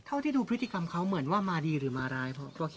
เท่าที่ดูพฤติกรรมเขาเหมือนว่ามาดีหรือมาร้ายเพราะคิด